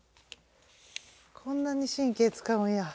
こんなに神経つかうんや。